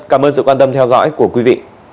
cảm ơn sự quan tâm theo dõi của quý vị